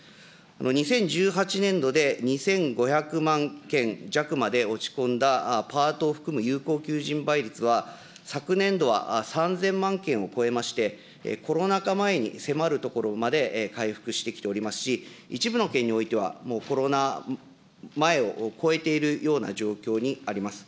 ２０１８年度で２５００万件弱まで落ち込んだ、パートを含む有効求人倍率は、昨年度は３０００万件を超えまして、コロナ禍前に迫るところまで回復してきておりますし、一部の県においては、もうコロナ前を超えているような状況にあります。